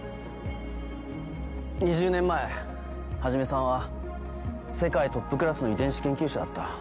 ２０年前始さんは世界トップクラスの遺伝子研究者だった。